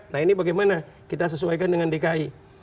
nah ini bagaimana kita sesuaikan dengan dki